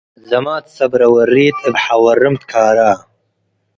ዘማት ሰብ ረወሪት እብ ሐወርም ትካራ